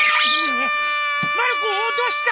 まる子どうした？